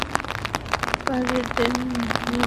Pardon মির বাচ্চা!